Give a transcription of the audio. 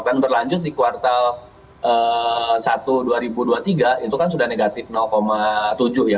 dan berlanjut di kuartal satu dua ribu dua puluh tiga itu kan sudah negatif tujuh ya